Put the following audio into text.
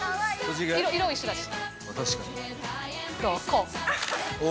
色一緒だし。